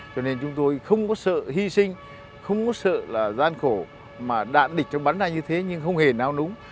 cho nên chúng tôi không có sợ hy sinh không có sợ là gian khổ mà đạn địch trong bắn này như thế nhưng không hề nào đúng